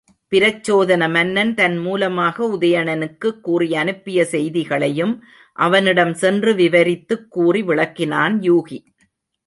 பிரச்சோதன மன்னன் தன் மூலமாக உதயணனுக்குக் கூறியனுப்பிய செய்திகளையும் அவனிடம் சென்று விவரித்துக் கூறி விளக்கினான் யூகி.